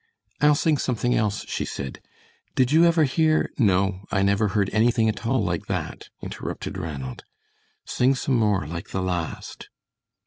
"I'll sing something else," she said. "Did you ever hear " "No, I never heard anything at all like that," interrupted Ranald. "Sing some more like the last."